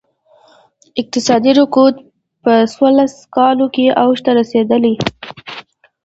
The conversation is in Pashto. اقتصادي رکود په څوارلس کالو کې اوج ته رسېدلی.